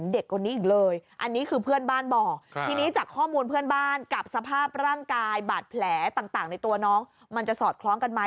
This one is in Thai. เด็กก็พูดว่าพ่ออย่าตีหนู